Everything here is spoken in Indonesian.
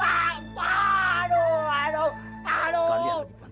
aduh aduh aduh